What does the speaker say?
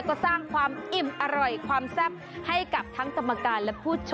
คือกันทั้งฝุ่นกันทั้งไวรัส